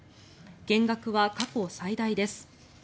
減額は過去最大です。